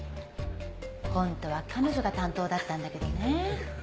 ホントは彼女が担当だったんだけどね。